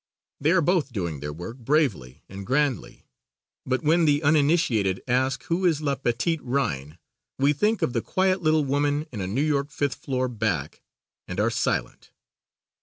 They are both doing their work bravely and grandly. But when the unitiate ask who is "la Petite Reine," we think of the quiet little woman in a New York fifth floor back and are silent.